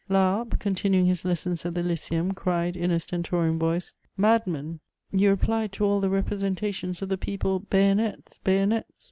Laharpe, continuing his lessons at the Lyceum, cried in a stentorian voice :^' Madmen ! you replied to all the represen tations of the people, ' Bayonets ! bayonets